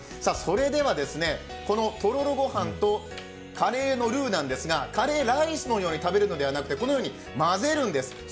それではこのとろろ御飯とカレーのルーなんですがカレーライスのように食べるのではなくて混ぜるんです。